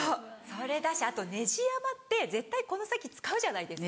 それだしあとネジ山って絶対この先使うじゃないですか。